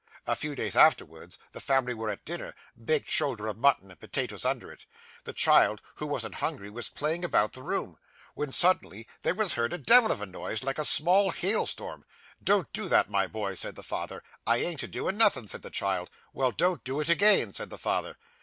A few days afterwards, the family were at dinner baked shoulder of mutton, and potatoes under it the child, who wasn't hungry, was playing about the room, when suddenly there was heard a devil of a noise, like a small hailstorm. "Don't do that, my boy," said the father. "I ain't a doin' nothing," said the child. "Well, don't do it again," said the father.